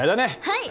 はい！